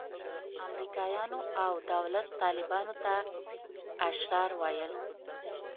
امریکایانو او دولت طالبانو ته اشرار ویل.